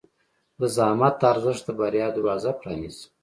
د زحمت ارزښت د بریا دروازه پرانیزي.